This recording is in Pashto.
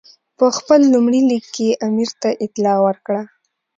په خپل لومړي لیک کې یې امیر ته اطلاع ورکړه.